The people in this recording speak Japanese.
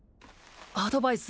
アドバイス